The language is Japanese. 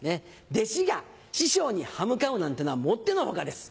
弟子が師匠に歯向かうなんてのはもっての外です。